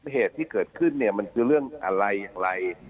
เหตุสิ่งที่เกิดขึ้นเป็นเรื่องอะไรอะไร